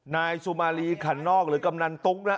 นายสุมารีขันนอกหรือกำนันตุ๊กนะ